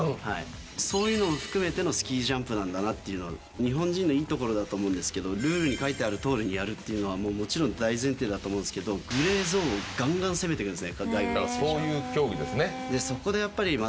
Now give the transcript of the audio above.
そういうのも含めてのスキージャンプだなというのは、日本人のいいところだと思うんですけど、ルールに書いてあるとおりにやるというのはもちろん大前提だと思うんですけど、グレーゾーンをがんがん攻めてくるんですね。